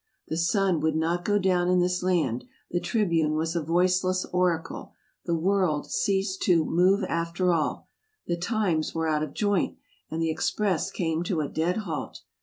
The " Sun " would not go down in this land; the "Tribune" was a voiceless oracle; the "World" ceased to "move after all" ; the " Times " were out of joint, and the " Ex press " came to a dead halt!